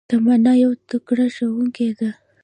تمنا يو تکړه ښوونکي ده